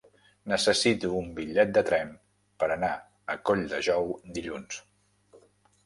Necessito un bitllet de tren per anar a Colldejou dilluns.